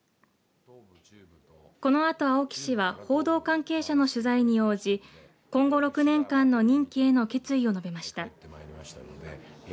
このあと青木氏は報道関係者の取材に応じ今後６年間の任期への決意を述べました。